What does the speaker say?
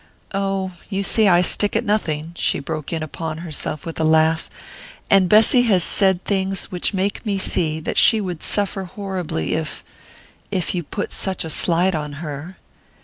Oh, you see I stick at nothing," she broke in upon herself with a laugh, "and Bessy has said things which make me see that she would suffer horribly if if you put such a slight on her."